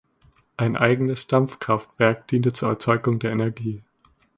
Ein eigenes Dampfkraftwerk diente zur Erzeugung der Energie.